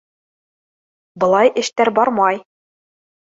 Былай эштәр бармай.